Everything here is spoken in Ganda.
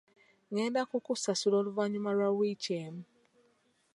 Ngenda kukusasula oluvannyuma lwa wiiki emu.